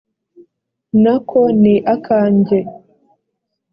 na ko ni akanjye